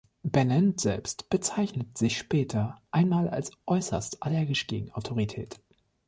Bennent selbst bezeichnete sich später einmal als „äußerst allergisch gegen Autorität“.